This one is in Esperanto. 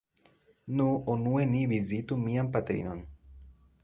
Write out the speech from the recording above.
Nu, unue ni vizitu mian patrinon.